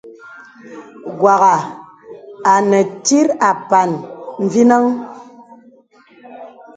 Wàghà anə tìt àpàn mvinəŋ.